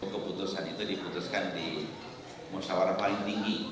keputusan itu diputuskan di musyawarah paling tinggi